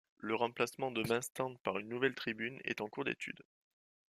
Le remplacement de Main Stand par une nouvelle tribune est en cours d'étude.